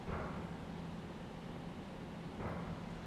ও হো হো,, যতজন চাও পাবে।